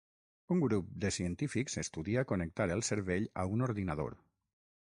Un grup de científics estudia connectar el cervell a un ordinador